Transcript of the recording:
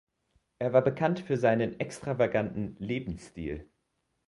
Er war bekannt für seinen extravaganten Lebensstil.